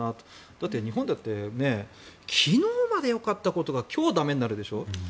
だって、日本だって昨日までよかったことが今日は駄目になるでしょ。